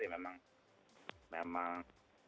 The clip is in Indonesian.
jadi memang memang